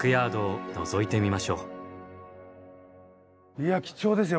いや貴重ですよ